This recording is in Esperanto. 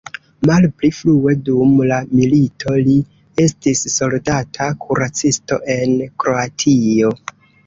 Malpli frue dum la milito li estis soldata kuracisto en Kroatio.